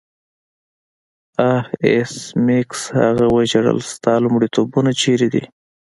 آه ایس میکس هغه وژړل ستا لومړیتوبونه چیرته دي